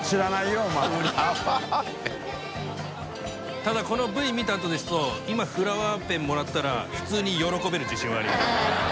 ただこのＶ見たあとですとフラワーペンもらったら當未亡遒戮觴あります。